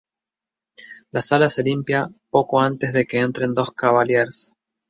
La sala se limpia poco antes de que entren dos cavaliers.